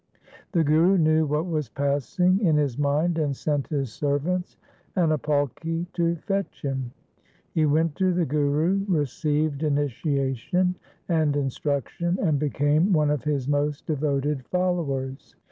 The Guru knew what was passing in his mind, and sent his servants and a palki to fetch him. He went to the Guru, received initiation and instruc tion, and became one of his most devoted followers.